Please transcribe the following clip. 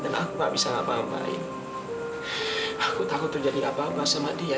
nggak ada dewi